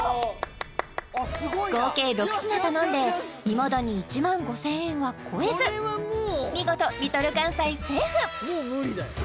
合計６品頼んでいまだに１万５０００円は超えず見事Ｌｉｌかんさいセーフ！